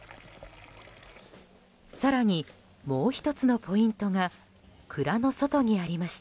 更に、もう１つのポイントが蔵の外にありました。